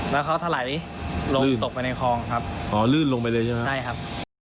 แล้วเขาถลายลงตกไปในคลองครับอ๋อลื่นลงไปเลยใช่ไหมใช่ครับ